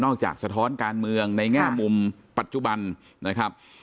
สะท้อนการเมืองในแง่มุมปัจจุบันนะครับ